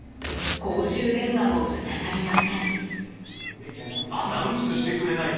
公衆電話もつながりません。